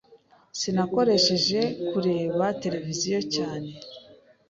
Sinakoresheje kureba televiziyo cyane.